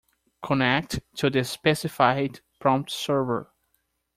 Connect to the specified prompt server.